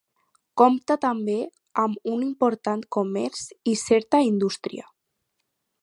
Compta també amb un important comerç i certa indústria.